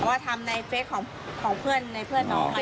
แต่ว่าทำในเฟสของเพื่อนในเพื่อนน้อง